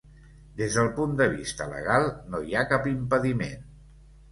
Des del punt de vista legal no hi ha cap impediment.